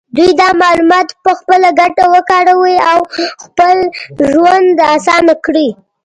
دوی دا معلومات په خپله ګټه وکاروي او خپل ژوند اسانه کړي.